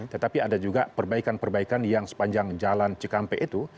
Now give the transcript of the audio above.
tetapi ada juga perbaikan perbaikan yang sepanjang jalan cikampek itu